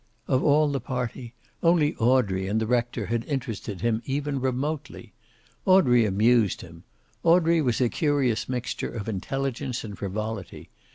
Of all the party, only Audrey and the rector had interested him even remotely. Audrey amused him. Audrey was a curious mixture of intelligence and frivolity.